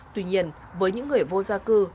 tuy nhiên với những người vô gia cư